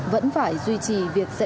vẫn phải duy trì việc dạy vào học